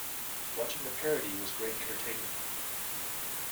Watching the parody was great entertainment.